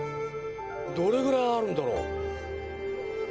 どれくらいあるんだろう。